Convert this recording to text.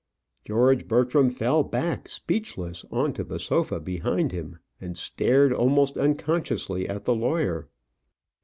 George Bertram fell back, speechless, on to the sofa behind him, and stared almost unconsciously at the lawyer.